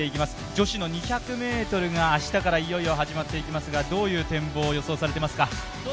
女子の２００ｍが明日からいよいよ始まっていきますがどういう展望を予想されていますか？